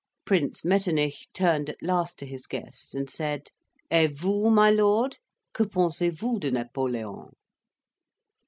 Prince Metternich turned at last to his guest, and said, "Et vous, my Lord, que pensez vous de Napoleon?"